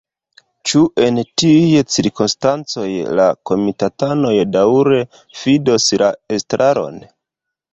Ĉu en tiuj cirkonstancoj la komitatanoj daŭre fidos la estraron?